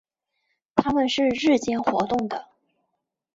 它们是日间活动的。